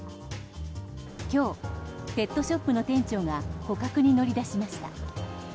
今日、ペットショップの店長が捕獲に乗り出しました。